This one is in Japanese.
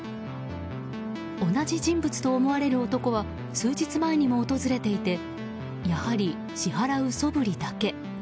同じ人物と思われる男は数日前にも訪れていてやはり支払うそぶりだけ。